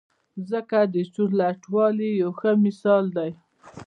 مځکه د چورلټوالي یو ښه مثال دی.